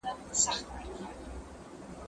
زه به اوږده موده سبزېجات وچولي وم!